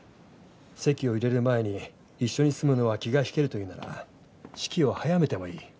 籍を入れる前に一緒に住むのは気が引けるというなら式を早めてもいい。